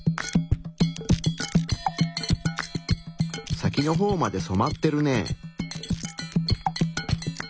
先のほうまで染まってるね。